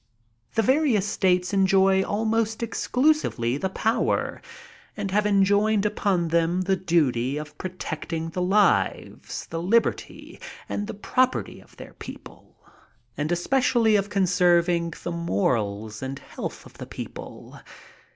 The various States enjoy ahnost exclusively the power, and have enjoined t4>on them the duty of protecting the lives, the liberty and the property of their people, and especially of conserving the morals and health of the people.